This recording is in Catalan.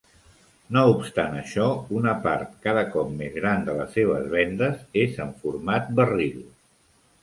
No obstant això, una part cada cop més gran de les seves vendes és en format barril.